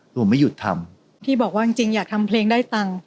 หนูไม่หยุดทำพี่บอกว่าจริงจริงอยากทำเพลงได้ตังค์